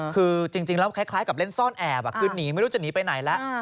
คือแค่คล้ายกับเล่นซ่อนแอบหนีไม่รู้จะหนีไปไหนล่ะ